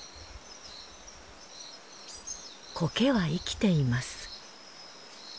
苔は生きています。